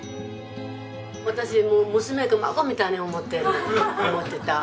私もう娘か孫みたいに思ってる思ってた。